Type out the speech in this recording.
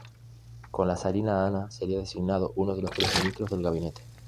Con la zarina Ana sería designado uno de los tres ministros del Gabinete.